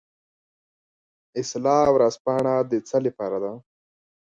اصلاح ورځپاڼه د څه لپاره ده؟